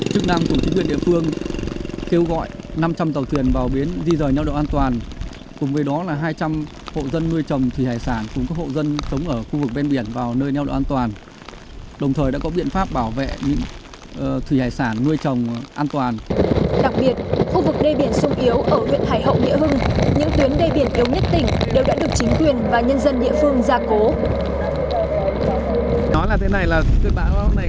các phương tiện địa phương đã vào nơi tránh trú an toàn công tác bảo vệ an toàn hệ thống đê